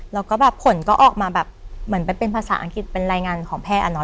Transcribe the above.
แล้วก็ผลก็ออกมาเหมือนเป็นภาษาอังกฤษเป็นรายงานของแพ่อันน้อย